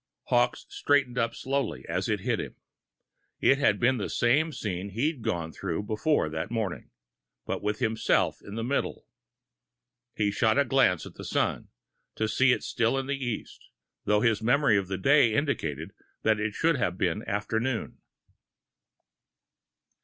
Hawkes straightened up slowly, as it hit him. It had been the same scene he'd gone through before that morning but with himself in the middle! He shot a glance at the sun, to see it still to the east, though his memory of the day indicated it should have been after noon.